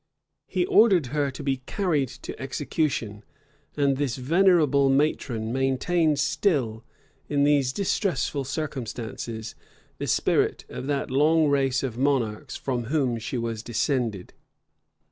He ordered her to be carried to execution; and this venerable matron maintained still, in these distressful circumstances, the spirit of that long race of monarchs from whom she was descended.